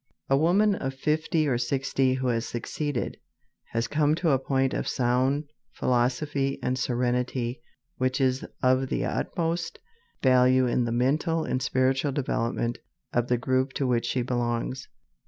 A woman of fifty or sixty who has succeeded, has come to a point of sound philosophy and serenity which is of the utmost value in the mental and spiritual development of the group to which she belongs.